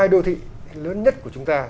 hai đô thị lớn nhất của chúng ta